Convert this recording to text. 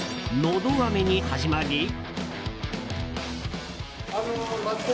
のどあめに始まり。